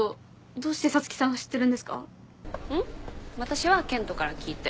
私は健人から聞いて。